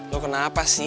lu kenapa sih